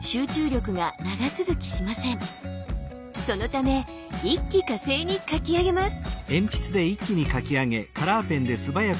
そのため一気呵成に描き上げます。